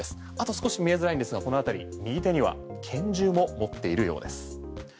少し見えづらいんですがこの辺り右手には拳銃も持っているようです。